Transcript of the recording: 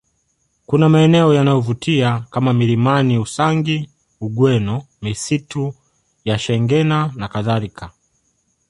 Kuna maeneo yanayovutia kama milimani Usangi Ugweno misitu ya Shengena nakadhalika